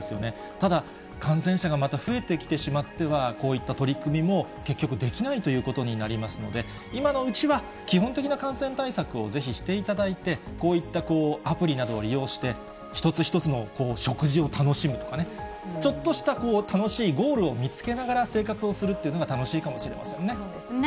ただ、感染者がまた増えてきてしまっては、こういった取り組みも結局できないということになりますので、今のうちは基本的な感染対策をぜひしていただいて、こういったこう、アプリなどを利用して、一つ一つの食事を楽しむとかね、ちょっとした楽しいゴールを見つけながら生活をするというのが楽そうですね。